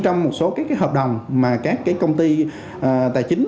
trong một số các hợp đồng mà các công ty tài chính